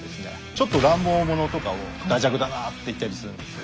ちょっと乱暴者とかを「だじゃくだな」って言ったりするんですよ。